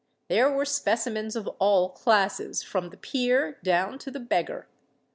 There were specimens of all classes, from the peer down to the beggar.